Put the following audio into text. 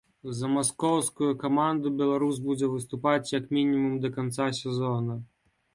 За маскоўскую каманду беларус будзе выступаць як мінімум да канца сезона.